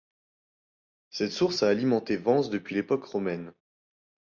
Cette source a alimenté Vence depuis l'époque romaine.